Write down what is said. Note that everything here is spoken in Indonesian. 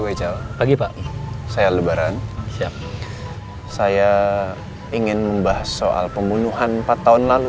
pagi pak saya lebaran siap saya ingin membahas soal pembunuhan empat tahun lalu